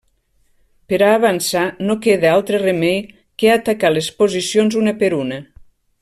Per a avançar no queda altre remei que atacar les posicions una per una.